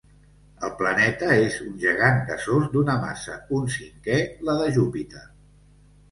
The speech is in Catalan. El planeta és un gegant gasós d'una massa un cinquè la de Júpiter.